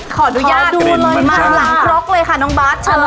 ขออนุญาตมากเลยค่ะน้องบ๊าช